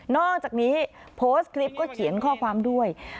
อกจากนี้โพสต์คลิปก็เขียนข้อความด้วย